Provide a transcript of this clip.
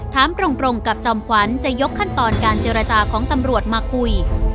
ถามตรงกับจอมขวัญจะยกขั้นตอนการเจรจาของตำรวจมาคุย